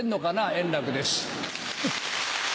円楽です。